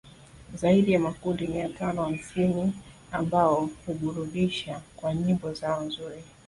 Zaidi ya makundi mia tano hamsini ambao huburudisha kwa nyimbo zao nzuri